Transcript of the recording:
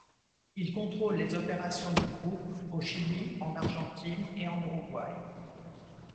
Il contrôle les opérations du Groupe au Chili, en Argentine et en Uruguay.